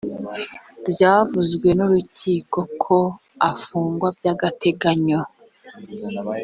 byavuzwe n’urukiko ko afungwa by’agateganyo